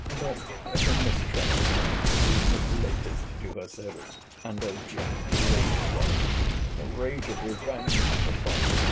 But her mistrust is a little of the latest to do her service! And, O Jack, the rage of love, the rage of revenge is upon me!